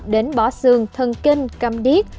đến bỏ xương thân kinh căm điếc